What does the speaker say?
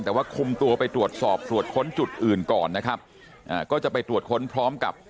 แต่ว่าคุมตัวไปตรวจสอบตรวจค้นจุดอื่นก่อนนะครับอ่าก็จะไปตรวจค้นพร้อมกับ